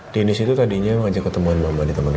deniz itu tadinya mengajak ketemuan mama di teman teman